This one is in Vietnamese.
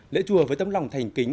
lễ chùa với tâm lòng thành kính